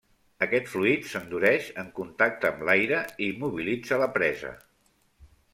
Aquest fluid s'endureix en contacte amb l'aire i immobilitza la presa.